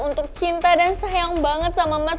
untuk cinta dan sayang banget sama mas